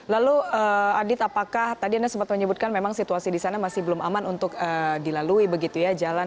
lalu adit apakah tadi anda sempat menyebutkan memang situasi di sana masih belum aman untuk dilalui begitu ya jalan